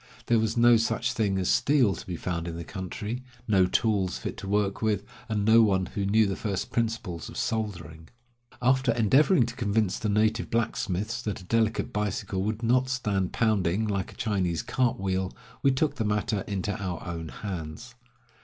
There was no such thing as steel to be found in the country, no tools fit to work with, and no one who knew the first principles of soldering. After endeavoring to convince the native blacksmiths that a delicate bicycle would not stand pounding like a Chinese cart wheel, we took the matter into our own hands.